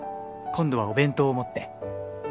「今度はお弁当を持って」